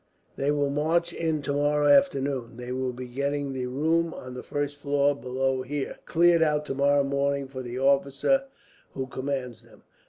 They will march in tomorrow afternoon. They will be getting the room on the first floor, below here, cleared out tomorrow morning for the officer who commands them."